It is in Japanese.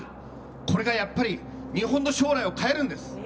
これがやっぱり日本の将来を変えるんです。